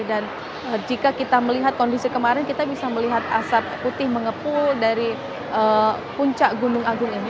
dan jika kita melihat kondisi kemarin kita bisa melihat asap putih mengepul dari puncak gunung agung ini